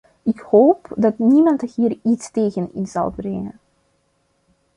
Ik hoop dat niemand hier iets tegen in zal brengen.